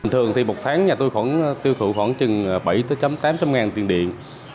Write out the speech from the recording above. thường thì một tháng nhà tôi tiêu thụ khoảng bảy tám trăm linh ngàn tiền điện